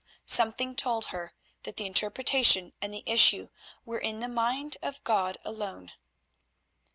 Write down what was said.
Something told her that the interpretation and the issue were in the mind of God alone.